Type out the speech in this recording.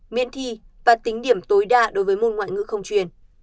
miễn thi và tính điểm tối đa đối với môn ngoại ngữ không truyền